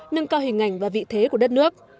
nâng cao hình ảnh và vị thế của đất nước